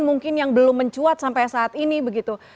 mungkin yang belum mencuat sampai saat ini begitu